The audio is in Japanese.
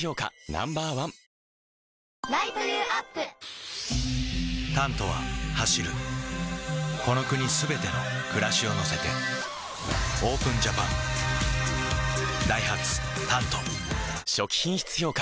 Ｎｏ．１「タント」は走るこの国すべての暮らしを乗せてＯＰＥＮＪＡＰＡＮダイハツ「タント」初期品質評価